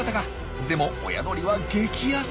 でも親鳥は激ヤセ！